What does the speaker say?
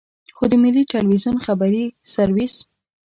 خو د ملي ټلویزیون خبري سرویس.